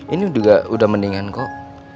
ini juga udah mendingan kok